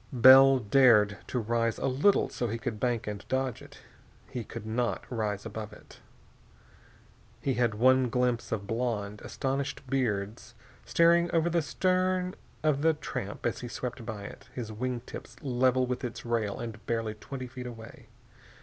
Bell dared to rise a little so he could bank and dodge it. He could not rise above it. He had one glimpse of blonde, astonished beards staring over the stern of the tramp as he swept by it, his wing tips level with its rail and barely twenty feet away.